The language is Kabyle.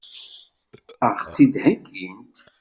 Ad ɣ-tt-id-heggint?